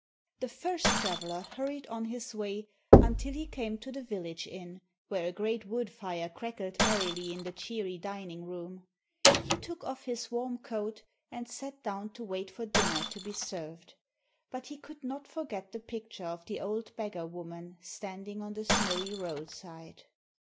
The first traveler hurried on his way until he came to the village inn, where a great wood fire crackled merrily in the cheery dining room. He took off his warm coat, and sat down to wait for dinner to be served. But he could not forget the picture of the old beggar woman standing on the snowy roadside.